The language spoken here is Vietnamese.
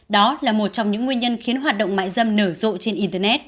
đó là một trong những nguyên nhân khiến hoạt động mại dâm nở rộ trên internet